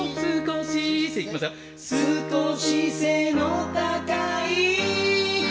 「少し背の高い」。